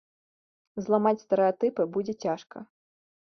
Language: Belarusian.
Зламаць стэрэатыпы будзе цяжка.